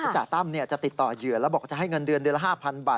จ่าตั้มจะติดต่อเหยื่อแล้วบอกจะให้เงินเดือนเดือนละ๕๐๐บาท